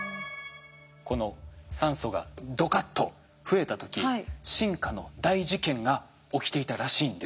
この酸素がドカッと増えた時進化の大事件が起きていたらしいんです。